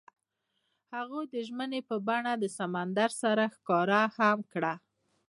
هغوی د ژمنې په بڼه سمندر سره ښکاره هم کړه.